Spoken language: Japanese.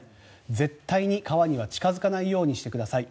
絶対に川には近付かないようにしてください。